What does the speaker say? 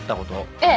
ええ。